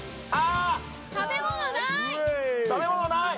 食べ物ない！